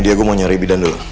dia gue mau nyari bidan dulu